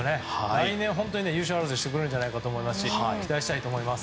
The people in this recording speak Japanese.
来年、本当に優勝争いしてくれるんじゃないかと思いますし期待したいと思います。